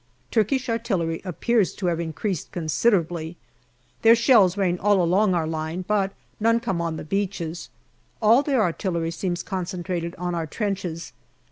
Turkish artillery appears to have increased con siderably. Their shells rain all along our line, but none come on the beaches. All their artillery seems concen trated on our trenches.